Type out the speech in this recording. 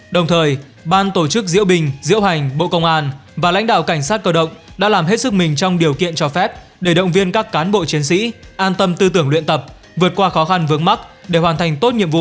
đồng thời ban tổ chức diễu bình diễu hành bộ công an và lãnh đạo cảnh sát cơ động đã làm hết sức mình trong điều kiện cho phép để động viên các cán bộ chiến sĩ an tâm tư tưởng luyện tập vượt qua khó khăn vướng mắt để hoàn thành tốt nhiệm vụ